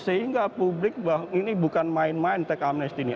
sehingga publik bahwa ini bukan main main tech amnesty ini